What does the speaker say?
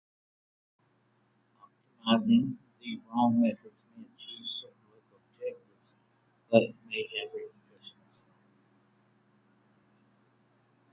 Optimizing the wrong metrics may achieve certain local objectives, but may have repercussions elsewhere.